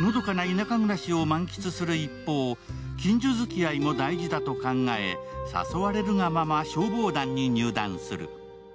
のどかな田舎暮らしを満喫する一方、近所づきあいも大事だと考え誘われるがまま消防団に入団する。